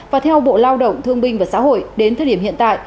và theo bộ lao động thương binh và xã hội đến thời điểm hiện tại